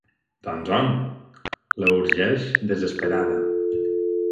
Doncs on? —la urgeix, desesperada.